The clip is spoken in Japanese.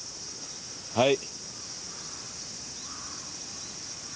はい。